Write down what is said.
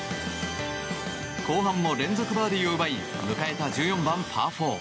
後半も連続バーディーを奪い迎えた１４番、パー４。